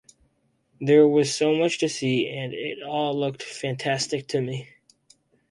There was so much to see, and it all looked fantastic to me.